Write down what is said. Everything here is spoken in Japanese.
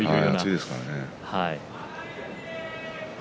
暑いですからね。